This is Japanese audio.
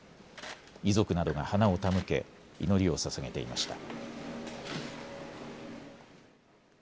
遺族などが花を手向け祈りをささげていました。